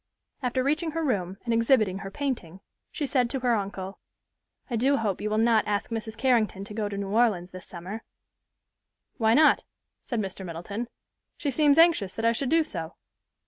After reaching her room, and exhibiting her painting, she said to her uncle, "I do hope you will not ask Mrs. Carrington to go to New Orleans this summer." "Why not?" said Mr. Middleton. "She seems anxious that I should do so."